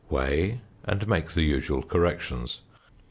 Weigh and make the usual corrections.